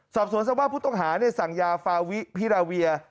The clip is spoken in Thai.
สอบสวนสภาพผู้ต้องหาสั่งยาฟาวิพิราเวีย